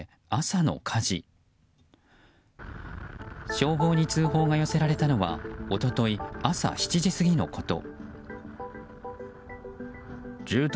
消防に通報が寄せられたのは一昨日朝７時過ぎのこと。